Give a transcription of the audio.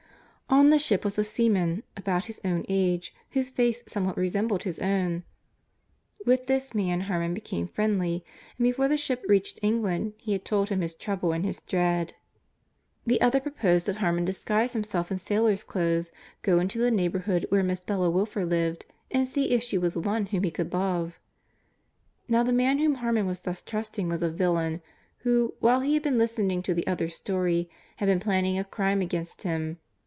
On the ship was a seaman about his own age whose face somewhat resembled his own. With this man Harmon became friendly and before the ship reached England he had told him his trouble and his dread. The other proposed that Harmon disguise himself in sailor's clothes, go into the neighborhood where Miss Bella Wilfer lived, and see if she was one whom he could love. Now the man whom Harmon was thus trusting was a villain, who, while he had been listening to the other's story, had been planning a crime against him.